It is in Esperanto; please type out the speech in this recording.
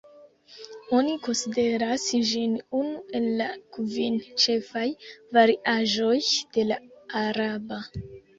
Oni konsideras ĝin unu el la kvin ĉefaj variaĵoj de la araba.